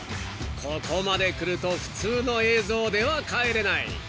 ［ここまでくると普通の映像では帰れない］